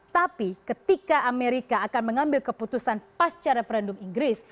tapi ketika amerika akan mengambil keputusan pasca referendum inggris